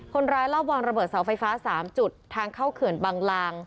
คนร้ายรอบวางระเบิดเสาไฟฟ้า๓จุดทางเข้าเขื่อนบังลาง